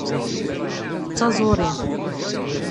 D taẓuri.